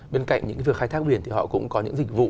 bên cạnh những việc khai thác biển thì họ cũng có những dịch vụ